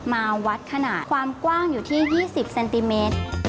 มาวัดขนาดความกว้างอยู่ที่๒๐เซนติเมตร